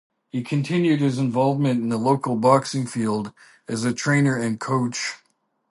He continued his involvement in the local boxing field as a trainer and coach.